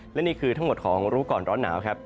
และนี่คือทั้งหมดของรู้ก่อนร้อนหนาวครับ